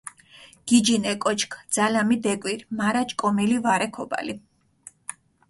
გიჯინ ე კოჩქ, ძალამი დეკვირ, მარა ჭკომილი ვარე ქობალი.